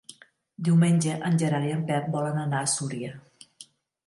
Diumenge en Gerard i en Pep volen anar a Súria.